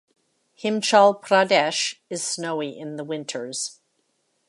Himachal Pradesh is snowy in the winters.